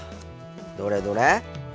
どれどれ？